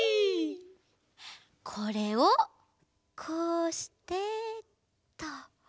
これをこうしてっと。